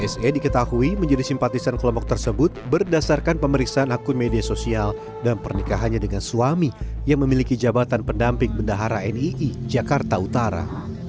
se diketahui menjadi simpatisan kelompok tersebut berdasarkan pemeriksaan akun media sosial dan pernikahannya dengan suami yang memiliki jabatan pendamping bendahara nii jakarta utara